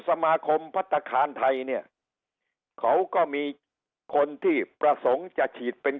สมาคมพัฒนาคารไทยเนี่ยเขาก็มีคนที่ประสงค์จะฉีดเป็น